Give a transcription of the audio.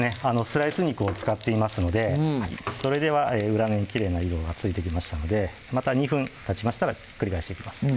スライス肉を使っていますのでうんそれでは裏面きれいな色がついてきましたのでまた２分たちましたらひっくり返していきます